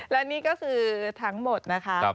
และนี่ก็คือทั้งหมดนะคะ